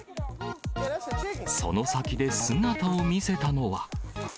その先で姿を見せたのは。